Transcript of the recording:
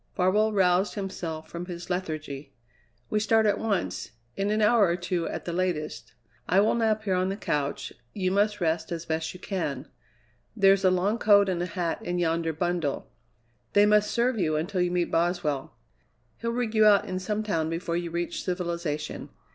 Farwell roused himself from his lethargy. "We start at once; in an hour or two at the latest. I will nap here on the couch; you must rest as best you can. There's a long coat and a hat in yonder bundle. They must serve you until you meet Boswell. He'll rig you out in some town before you reach civilization.